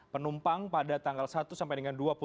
penumpang pada tanggal satu sampai dengan